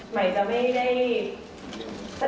หมายจะไม่ได้แสดงประดับอย่างสมบูรณ์